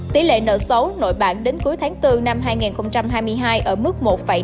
tỷ lệ nợ xấu nội bản đến cuối tháng bốn năm hai nghìn hai mươi hai ở mức một ba mươi